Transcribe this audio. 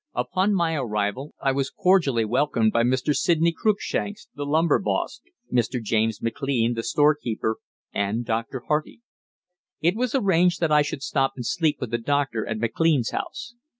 Upon my arrival I was cordially welcomed by Mr. Sidney Cruikshanks, the lumber "boss"; Mr. James McLean, the storekeeper, and Dr. Hardy. It was arranged that I should stop and sleep with the doctor at McLean's house.